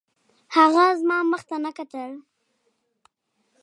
هغه زما مخ ته نه کتل